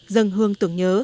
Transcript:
dâng hương tưởng nhớ